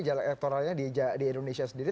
jalan elektoralnya di indonesia sendiri